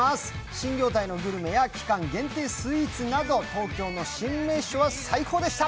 新業態のグルメや、期間限定スイーツなど、東京の新名所は最高でした。